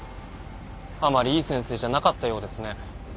あまりいい先生じゃなかったようですね。